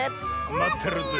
まってるよ！